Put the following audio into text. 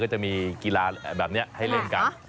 จะมีกีฬาแบบนี้ให้เล่นกัน